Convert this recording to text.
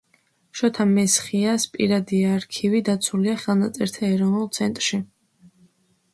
შოთა მესხიას პირადი არქივი დაცულია ხელნაწერთა ეროვნულ ცენტრში.